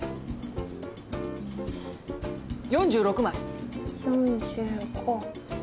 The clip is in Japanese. ４６枚！